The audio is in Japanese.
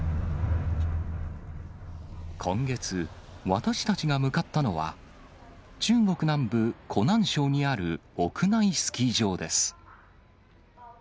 今月、私たちが向かったのは、中国南部、湖南省にある屋内スキー場です。